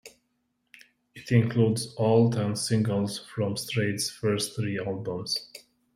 It includes all ten singles from Strait's first three albums.